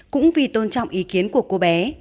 cũng vì tôn trọng ý kiến của cô bé